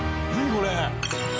これ。